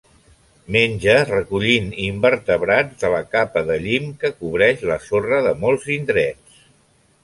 Menja recollint invertebrats de la capa de llim que cobreix la sorra de molts indrets.